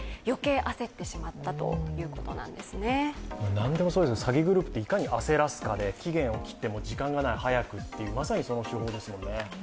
何でもそうですけど、詐欺グループっていかに焦らすかで期限を切って時間がない、早くっていう、まさにその手法ですもんね。